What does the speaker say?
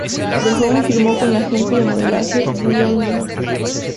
De joven firmó con la agencia de modelaje "Wilhelmina".